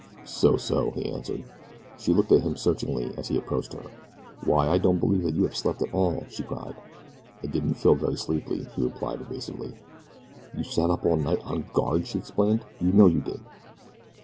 "So so," he answered. She looked at him searchingly as he approached her. "Why I don't believe that you have slept at all," she cried. "I didn't feel very sleepy," he replied evasively. "You sat up all night on guard!" she exclaimed. "You know you did."